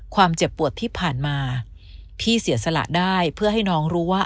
เจ็บปวดที่ผ่านมาพี่เสียสละได้เพื่อให้น้องรู้ว่า